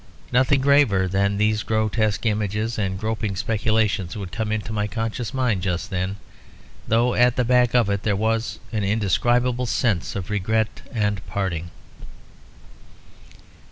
Nothing graver than these grotesque images and groping speculations would come into my conscious mind just then, though at the back of it there was an indescribable sense of regret and parting.